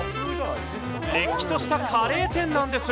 れっきとしたカレー店なんです。